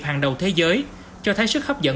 hàng đầu thế giới cho thấy sức hấp dẫn